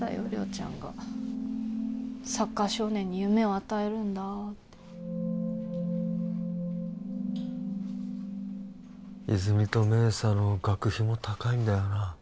亮ちゃんがサッカー少年に夢を与えるんだって泉実と明紗の学費も高いんだよな